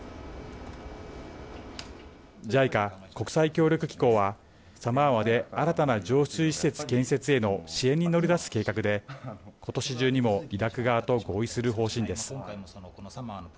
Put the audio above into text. ＪＩＣＡ＝国際協力機構はサマーワで新たな浄水施設建設への支援に乗り出す計画で今年中にもイラク側と合意する方針です。